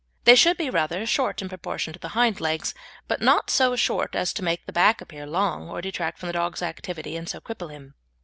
They should be rather short in proportion to the hind legs, but not so short as to make the back appear long or detract from the dog's activity and so cripple him.